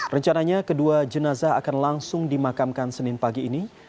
rencananya kedua jenazah akan langsung dimakamkan senin pagi ini